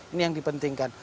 ini yang dipentingkan